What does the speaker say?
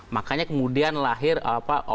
makanya kemudian lahir pancasila